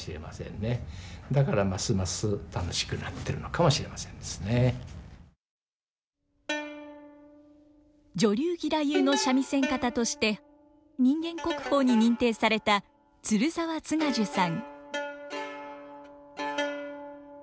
まあそれが深さが分かってきたと女流義太夫の三味線方として人間国宝に認定された鶴澤津賀寿さん。